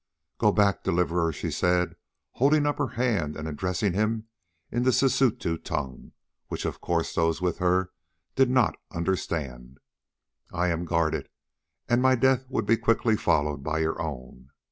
"Go back, Deliverer!" she said, holding up her hand and addressing him in the Sisutu tongue, which of course those with her did not understand. "I am guarded, and my death would be quickly followed by your own.